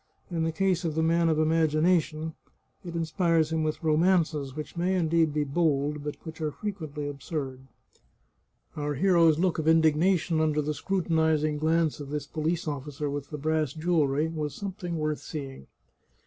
In the case of the man of imagination, it inspires him with romances, which may indeed be bold, but which are fre quently absurd. Our hero's look of indignation under the scrutinizing glance of this police officer with the brass jewellery was something worth seeing.